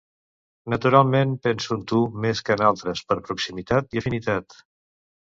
Naturalment, penso en tu més que en els altres, per proximitat i afinitat.